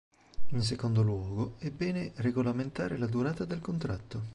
In secondo luogo, è bene regolamentare la durata del contratto.